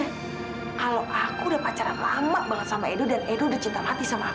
kalau aku udah pacaran lama banget sama edo dan edo udah cinta mati sama aku